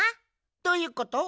どういうこと？